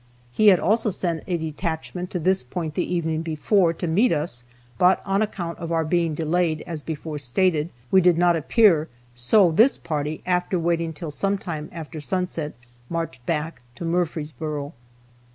He had also sent a detachment to this point the evening before, to meet us, but on account of our being delayed, as before stated, we did not appear, so this party, after waiting till some time after sunset, marched back to Murfreesboro.